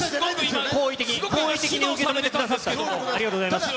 好意的に受け止めてくださっありがとうございます。